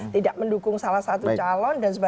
tidak mendukung salah satu calon